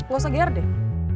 gak usah ger deh